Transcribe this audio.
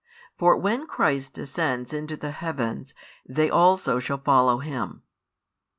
For when Christ ascends into the heavens, they also shall follow Him.